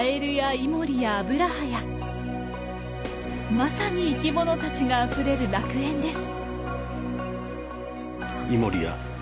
まさに生き物たちがあふれる楽園です。